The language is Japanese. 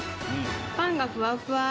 パンがふわふわ。